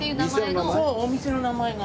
そうお店の名前が。